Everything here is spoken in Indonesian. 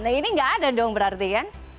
nah ini nggak ada dong berarti kan